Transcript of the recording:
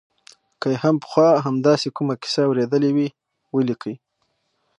که یې پخوا هم داسې کومه کیسه اورېدلې وي ولیکي.